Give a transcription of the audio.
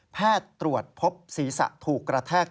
แพทย์ตรวจพบศีรษะถูกกระแทก